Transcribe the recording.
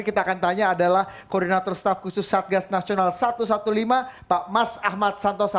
kita akan tanya adalah koordinator staff khusus satgas nasional satu ratus lima belas pak mas ahmad santosa